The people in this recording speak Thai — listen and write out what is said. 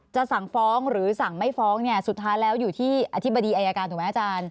สั่งฟ้องหรือสั่งไม่ฟ้องเนี่ยสุดท้ายแล้วอยู่ที่อธิบดีอายการถูกไหมอาจารย์